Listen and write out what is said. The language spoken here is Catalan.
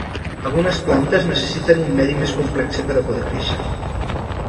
Algunes plantes necessiten un medi més complex per a poder créixer.